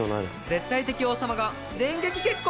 絶対的王様が電撃結婚！？